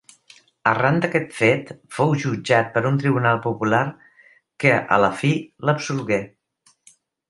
Arran d'aquest fet, fou jutjat per un tribunal popular que, a la fi, l'absolgué.